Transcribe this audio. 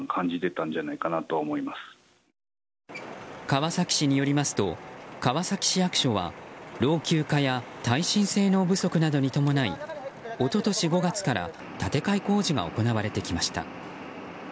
川崎市によりますと川崎市役所は老朽化や耐震性能不足などに伴い一昨年５月から建て替え工事が行われてきました。